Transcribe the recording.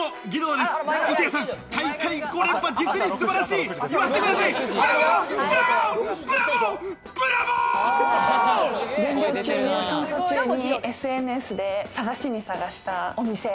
減量中にＳＮＳで探しに探したお店。